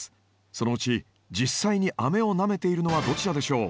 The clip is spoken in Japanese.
そのうち実際にあめをなめているのはどちらでしょう？